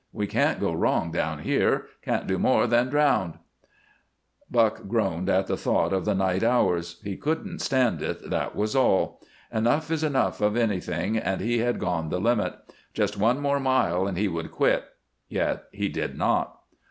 We can't go wrong down here; can't do no more than drownd." Buck groaned at the thought of the night hours. He couldn't stand it, that was all! Enough is enough of anything and he had gone the limit. Just one more mile and he would quit; yet he did not.